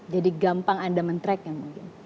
jadi gampang anda men track yang mungkin